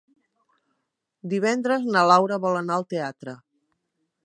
Divendres na Laura vol anar al teatre.